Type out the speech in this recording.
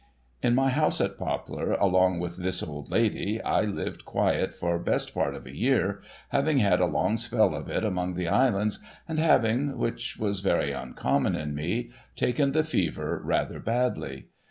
In my house at Poplar, along with this old lady, I lived quiet for best part of a year : having had a long spell of it among the Islands, and having (which was very uncommon in me) taken the fever rather badly.